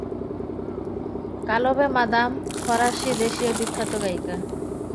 কালভে, Madame ফরাসীদেশীয় বিখ্যাত গায়িকা।